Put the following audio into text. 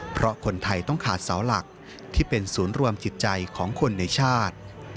เพราะคนไทยต้องขาดเสาหลักที่เป็นศูนย์รวมจิตใจของคนในชาติ